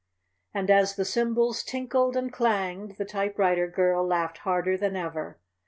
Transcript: And as the cymbals tinkled and clanged the typewriter girl laughed harder than ever.